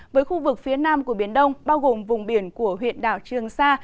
với khu vực phía nam của biển đông bao gồm vùng biển của huyện đảo trường sa